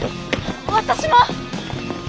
私も！